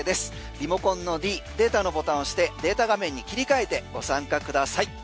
リモコンのｄデータのボタン押してデータ画面に切り替えてご参加ください。